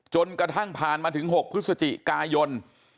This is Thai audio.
จนกระทั่งผ่านมาถึง๖พฤศจิกายน